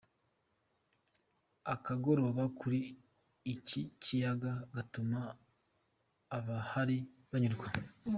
Akagoroba kuri iki kiyaga gatuma abahari banyurwa.